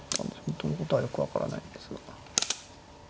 本当のことはよく分からないんですが。